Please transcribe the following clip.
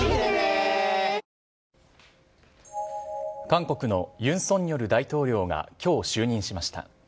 韓国のユン・ソンニョル大統領がきょう就任しました。